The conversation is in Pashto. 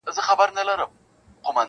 خدایه دې ماښام ته ډېر ستوري نصیب کړې,